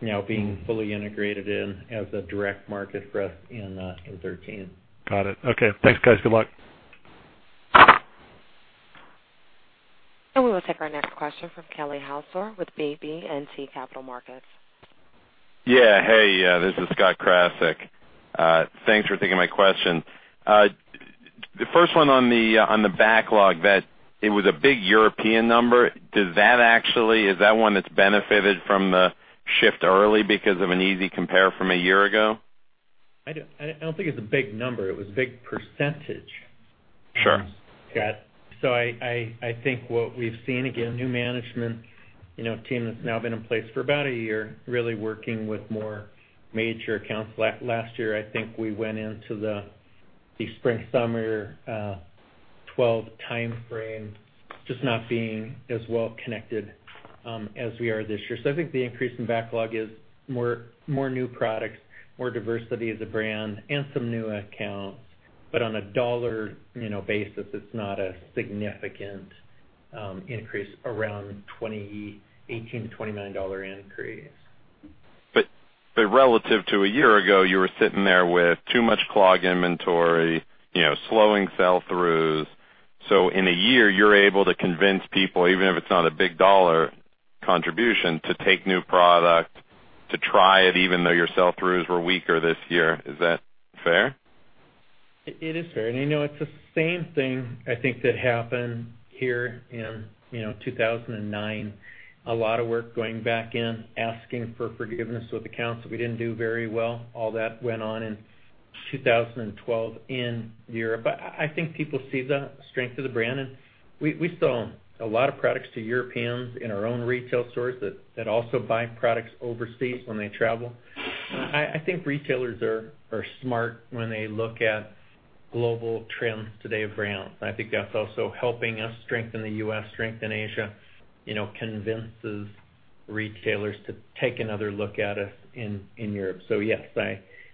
Speaker 3: now being fully integrated in as a direct market for us in 2013.
Speaker 10: Got it. Okay. Thanks, guys. Good luck.
Speaker 1: We will take our next question from Kelly Hauser with BB&T Capital Markets.
Speaker 11: Hey, this is Scott Krasik. Thanks for taking my question. The first one on the backlog that it was a big European number. Is that one that's benefited from the shift early because of an easy compare from a year ago?
Speaker 3: I don't think it's a big number. It was a big percentage.
Speaker 11: Sure.
Speaker 3: Scott. I think what we've seen, again, new management team that's now been in place for about a year, really working with more major accounts. Last year, I think we went into the spring/summer 2012 timeframe just not being as well connected as we are this year. I think the increase in backlog is more new products, more diversity as a brand, and some new accounts. On a dollar basis, it's not a significant increase, around $18-$29 increase.
Speaker 11: Relative to a year ago, you were sitting there with too much clogged inventory, slowing sell-throughs. In a year, you're able to convince people, even if it's not a big dollar contribution, to take new product, to try it, even though your sell-throughs were weaker this year. Is that fair?
Speaker 3: It is fair. It's the same thing, I think, that happened here in 2009. A lot of work going back in, asking for forgiveness with accounts that we didn't do very well. All that went on in 2012 in Europe. I think people see the strength of the brand, and we sell a lot of products to Europeans in our own retail stores that also buy products overseas when they travel. I think retailers are smart when they look at global trends today of brands. I think that's also helping us strengthen the U.S., strengthen Asia, convinces retailers to take another look at us in Europe. Yes,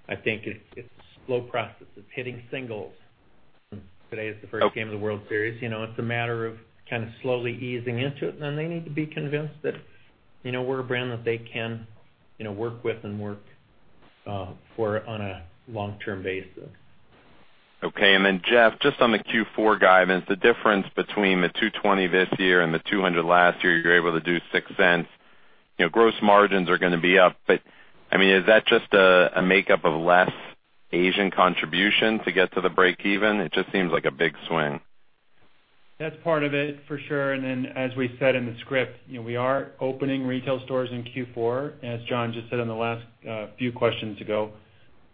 Speaker 3: I think it's a slow process. It's hitting singles. Today is the first game of the World Series. It's a matter of kind of slowly easing into it, they need to be convinced that we're a brand that they can work with and work for on a long-term basis.
Speaker 11: Okay. Jeff, just on the Q4 guidance, the difference between the 220 this year and the 200 last year, you're able to do $0.06. Gross margins are going to be up. Is that just a makeup of less Asian contribution to get to the break even? It just seems like a big swing.
Speaker 3: That's part of it, for sure. As we said in the script, we are opening retail stores in Q4. As John just said on the last few questions ago,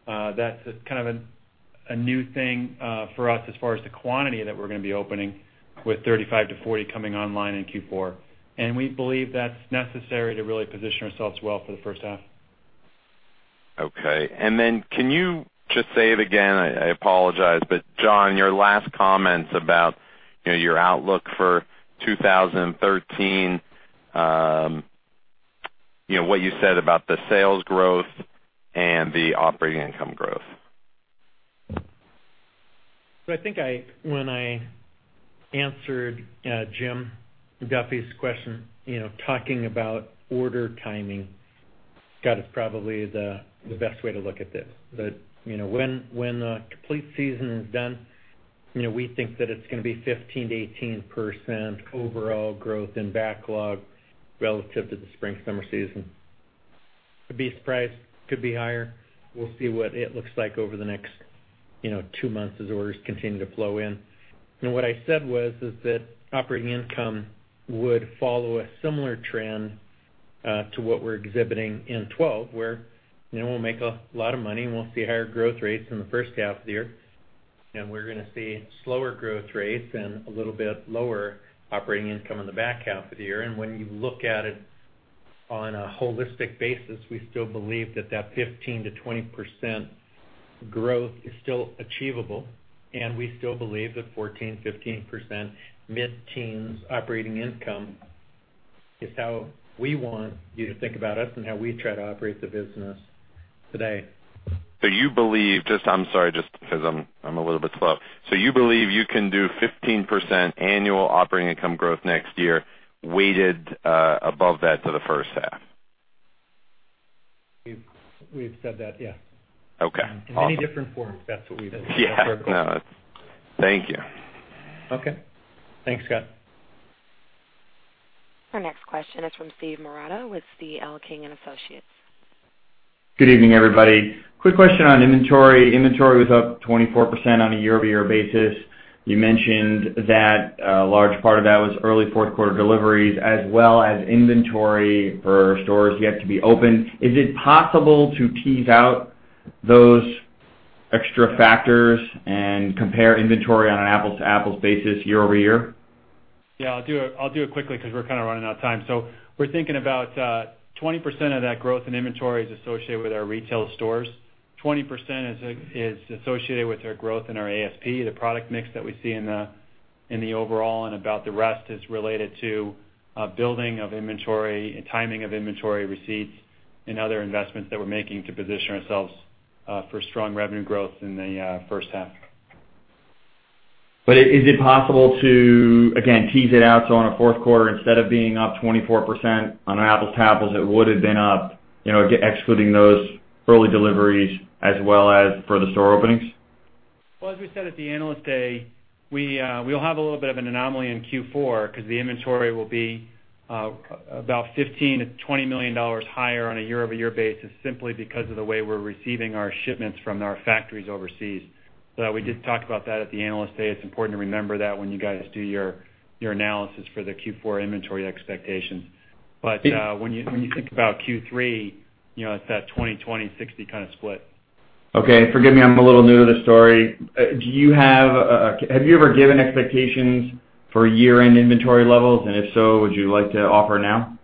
Speaker 3: that's kind of a new thing for us as far as the quantity that we're going to be opening with 35-40 coming online in Q4. We believe that's necessary to really position ourselves well for the first half.
Speaker 11: Okay. Can you just say it again? I apologize, John, your last comments about your outlook for 2013, what you said about the sales growth and the operating income growth.
Speaker 3: I think when I answered Jim Duffy's question, talking about order timing, Scott, is probably the best way to look at this. When a complete season is done, we think that it's going to be 15%-18% overall growth in backlog relative to the spring/summer season. Could be a surprise, could be higher. We'll see what it looks like over the next two months as orders continue to flow in. What I said was is that operating income would follow a similar trend To what we're exhibiting in 2012, where we'll make a lot of money and we'll see higher growth rates in the first half of the year, we're going to see slower growth rates and a little bit lower operating income in the back half of the year. When you look at it on a holistic basis, we still believe that that 15%-20% growth is still achievable, and we still believe that 14%, 15%, mid-teens operating income is how we want you to think about us and how we try to operate the business today.
Speaker 11: You believe, I'm sorry, just because I'm a little bit slow. You believe you can do 15% annual operating income growth next year, weighted above that for the first half?
Speaker 4: We've said that, yes.
Speaker 11: Okay. Awesome.
Speaker 4: In many different forms, that's what we've said.
Speaker 11: Yeah. Thank you.
Speaker 4: Okay. Thanks, Scott.
Speaker 1: Our next question is from Steve Marotta with C.L. King & Associates.
Speaker 12: Good evening, everybody. Quick question on inventory. Inventory was up 24% on a year-over-year basis. You mentioned that a large part of that was early fourth quarter deliveries as well as inventory for stores yet to be opened. Is it possible to tease out those extra factors and compare inventory on an apples-to-apples basis year-over-year?
Speaker 4: Yeah, I'll do it quickly because we're kind of running out of time. We're thinking about 20% of that growth in inventory is associated with our retail stores. 20% is associated with our growth in our ASP, the product mix that we see in the overall, and about the rest is related to building of inventory, timing of inventory receipts, and other investments that we're making to position ourselves for strong revenue growth in the first half.
Speaker 12: Is it possible to, again, tease it out so on a fourth quarter, instead of being up 24% on an apples-to-apples, it would've been up excluding those early deliveries as well as for the store openings?
Speaker 4: Well, as we said at the Analyst Day, we'll have a little bit of an anomaly in Q4 because the inventory will be about $15 million-$20 million higher on a year-over-year basis simply because of the way we're receiving our shipments from our factories overseas. We did talk about that at the Analyst Day. It's important to remember that when you guys do your analysis for the Q4 inventory expectations. When you think about Q3, it's that 20/20/60 kind of split.
Speaker 12: Okay. Forgive me, I'm a little new to the story. Have you ever given expectations for year-end inventory levels? If so, would you like to offer now?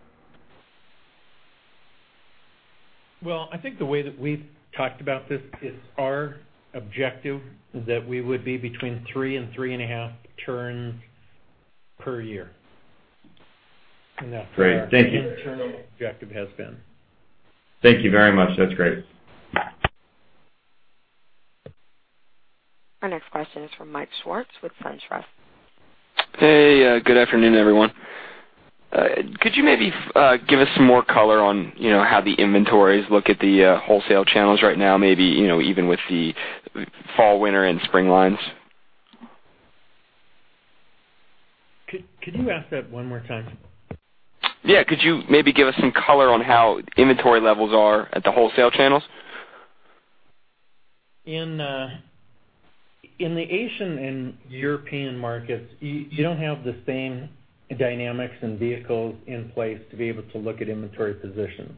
Speaker 4: Well, I think the way that we've talked about this is our objective is that we would be between three and three and a half turns per year.
Speaker 12: Great. Thank you.
Speaker 4: That's what our internal objective has been.
Speaker 12: Thank you very much. That's great.
Speaker 1: Our next question is from Mike Swartz with SunTrust.
Speaker 13: Hey, good afternoon, everyone. Could you maybe give us some more color on how the inventories look at the wholesale channels right now, maybe even with the fall, winter, and spring lines?
Speaker 4: Could you ask that one more time?
Speaker 13: Yeah. Could you maybe give us some color on how inventory levels are at the wholesale channels?
Speaker 4: In the Asian and European markets, you don't have the same dynamics and vehicles in place to be able to look at inventory position.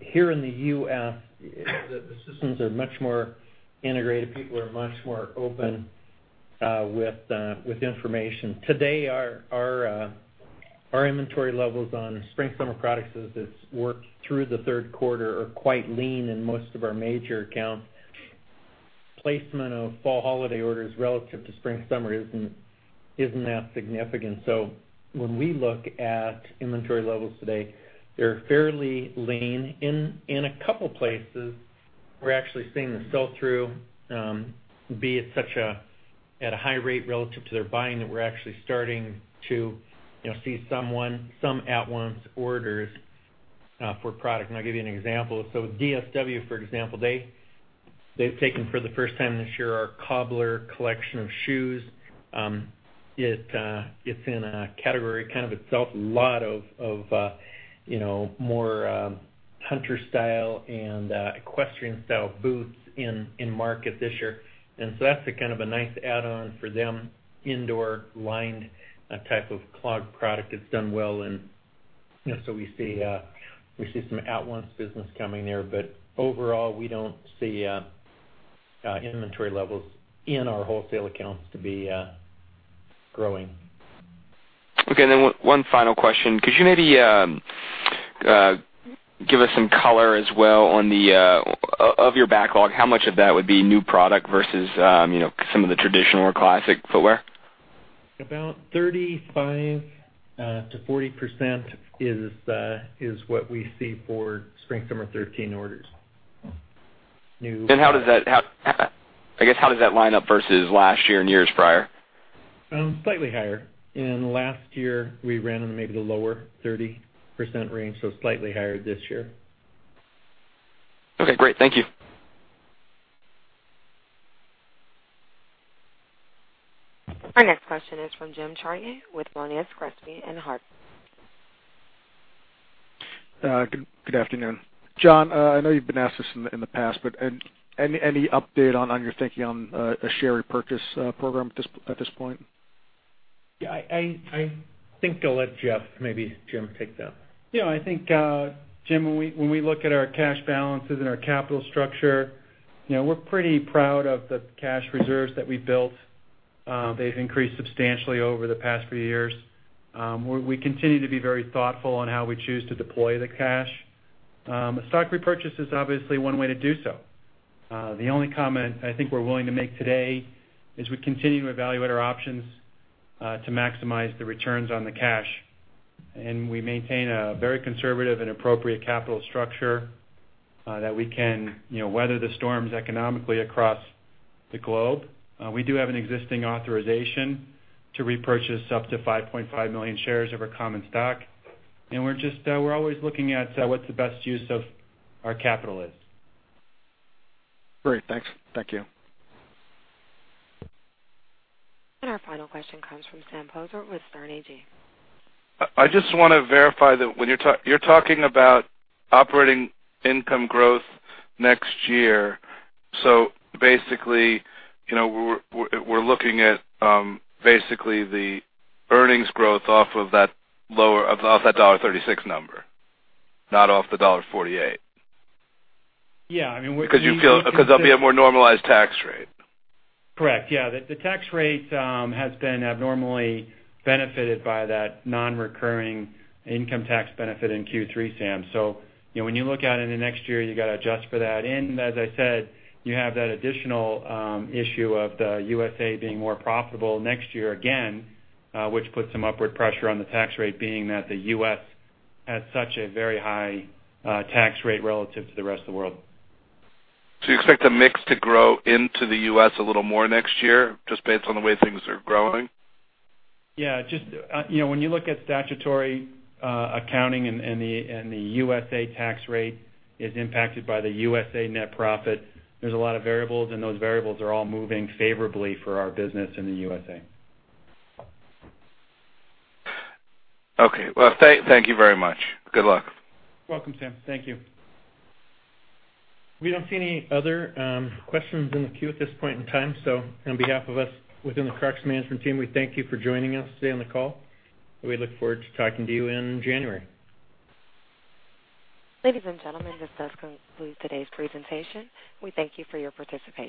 Speaker 4: Here in the U.S., the systems are much more integrated. People are much more open with information. Today, our inventory levels on spring/summer products as it's worked through the third quarter are quite lean in most of our major accounts. Placement of fall holiday orders relative to spring/summer isn't that significant. When we look at inventory levels today, they're fairly lean. In a couple places, we're actually seeing the sell-through be at a high rate relative to their buying, that we're actually starting to see some at-once orders for product. I'll give you an example. DSW, for example, they've taken for the first time this year our Cobbler collection of shoes. That's a kind of a nice add-on for them, indoor lined type of clog product that's done well. We see some at-once business coming there. Overall, we don't see inventory levels in our wholesale accounts to be growing.
Speaker 13: Okay, one final question. Could you maybe give us some color as well of your backlog? How much of that would be new product versus some of the traditional or classic footwear?
Speaker 4: About 35%-40% is what we see for spring/summer 2013 orders.
Speaker 13: I guess how does that line up versus last year and years prior?
Speaker 4: Slightly higher. In last year, we ran in maybe the lower 30% range, slightly higher this year.
Speaker 13: Okay, great. Thank you.
Speaker 1: Our next question is from Jim Chartier with Monness, Crespi & Hardt.
Speaker 14: Good afternoon. John, I know you've been asked this in the past, but any update on your thinking on a share repurchase program at this point?
Speaker 3: I think I'll let Jeff, maybe Jim, take that.
Speaker 4: I think, Jim, when we look at our cash balances and our capital structure, we're pretty proud of the cash reserves that we've built. They've increased substantially over the past few years. We continue to be very thoughtful on how we choose to deploy the cash. Stock repurchase is obviously one way to do so. The only comment I think we're willing to make today is we continue to evaluate our options to maximize the returns on the cash. We maintain a very conservative and appropriate capital structure that we can weather the storms economically across the globe. We do have an existing authorization to repurchase up to 5.5 million shares of our common stock. We're always looking at what the best use of our capital is.
Speaker 3: Great. Thanks. Thank you.
Speaker 1: Our final question comes from Sam Poser with Sterne Agee.
Speaker 6: I just want to verify that when you're talking about operating income growth next year, so basically, we're looking at basically the earnings growth off of that $1.36 number, not off the $1.48.
Speaker 4: Yeah, I mean.
Speaker 6: There'll be a more normalized tax rate.
Speaker 4: Correct. Yeah. The tax rate has been abnormally benefited by that non-recurring income tax benefit in Q3, Sam. When you look at it in the next year, you got to adjust for that. As I said, you have that additional issue of the U.S.A. being more profitable next year again, which puts some upward pressure on the tax rate, being that the U.S. has such a very high tax rate relative to the rest of the world.
Speaker 6: You expect the mix to grow into the U.S. a little more next year, just based on the way things are growing?
Speaker 4: Yeah. When you look at statutory accounting and the U.S.A. tax rate is impacted by the U.S.A. net profit, there's a lot of variables, and those variables are all moving favorably for our business in the U.S.A.
Speaker 6: Okay. Well, thank you very much. Good luck.
Speaker 4: Welcome, Sam. Thank you. We don't see any other questions in the queue at this point in time. On behalf of us within the Crocs management team, we thank you for joining us today on the call. We look forward to talking to you in January.
Speaker 1: Ladies and gentlemen, this does conclude today's presentation. We thank you for your participation.